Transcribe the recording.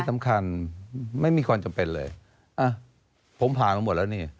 สำคัญไม่มีความจำเป็นเลยอ่ะผมผ่านมาหมดแล้วนี่